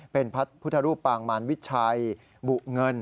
เป็นพระพุทธรูปปางมารวิชัยบุเงิน